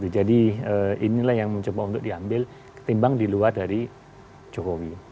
jadi inilah yang mencoba untuk diambil ketimbang di luar dari jokowi